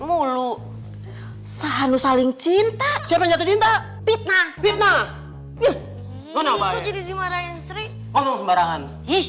mulu sahanu saling cinta siapa jatuh cinta fitnah fitnah itu jadi dimarahin om barangan